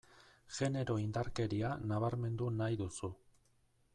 Genero indarkeria nabarmendu nahi duzu.